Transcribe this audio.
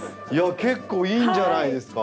結構いいんじゃないですか？